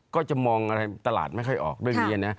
ก็จะมองอะไรตลาดไม่ค่อยออกเรื่องนี้นะ